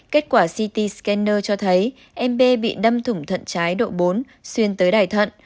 kết quả ct scanner cho thấy em b bị đâm thủng thận trái độ bốn xuyên tới đài thận